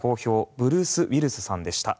ブルース・ウィリスさんでした。